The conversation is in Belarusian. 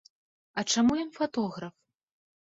А чаму ён фатограф?